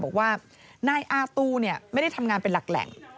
บอกว่านายอาตูไม่ได้ทำงานเป็นหลักแหล่ง